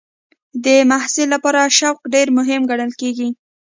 د محصل لپاره شوق ډېر مهم ګڼل کېږي.